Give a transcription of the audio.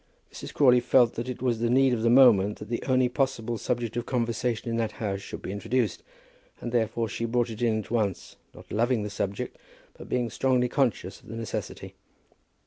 Mrs. Crawley felt that it was the need of the moment that the only possible subject of conversation in that house should be introduced; and therefore she brought it in at once, not loving the subject, but being strongly conscious of the necessity.